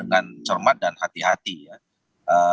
dengan cermat dan hati hati ya